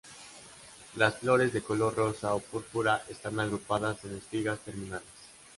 Las flores de color rosa o púrpura están agrupadas en espigas terminales.